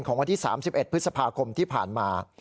วันที่๓๑พฤษภาคมที่ผ่านมา